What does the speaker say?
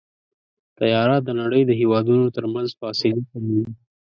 طیاره د نړۍ د هېوادونو ترمنځ فاصلې کموي.